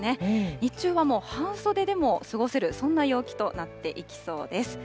日中はもう半袖でも過ごせる、そんな陽気となっていきそうです。